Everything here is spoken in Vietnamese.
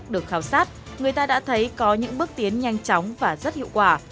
được khảo sát người ta đã thấy có những bước tiến nhanh chóng và rất hiệu quả